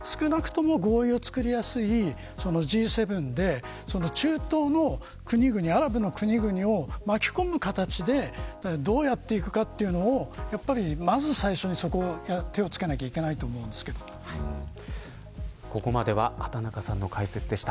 だから少なくとも合意をつくりやすいＧ７で、中東の国々アラブの国々を巻き込む形でどうやっていくかというのをまず最初に、そこを手を付けないといけないとここまでは畑中さんの解説でした。